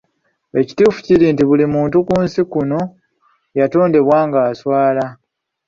Ekituufu kiri nti buli muntu ku nsi kuno yatondebwa nga aswala.